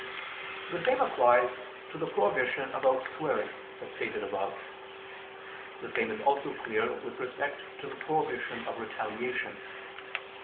The same applies to the prohibition about swearing, as stated above. The same is also clear with respect to the prohibition of retaliation.